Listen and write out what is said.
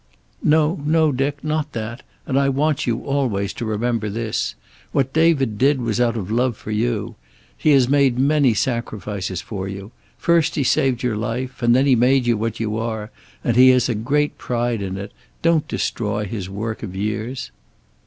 "No, no, Dick. Not that. And I want you, always, to remember this. What David did was out of love for you. He has made many sacrifices for you. First he saved your life, and then he made you what you are. And he has had a great pride in it. Don't destroy his work of years."